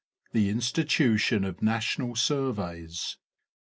I. Tue Institution or Nationa SURVEYS.